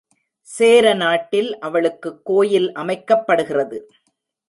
சேர நாட்டில் அவளுக்குக் கோயில் அமைக்கப்படுகிறது.